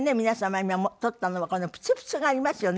今取ったのはこのプツプツがありますよね。